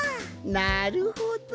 なるほど！